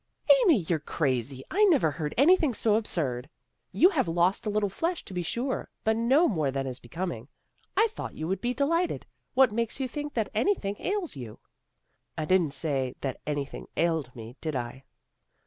" Amy, you're crazy. I never heard any thing so absurd. You have lost a little flesh, to be sure, but no more than is becoming. I thought you would be delighted. What makes you think that anything ails you? "" I didn't say that anything ailed me, did I?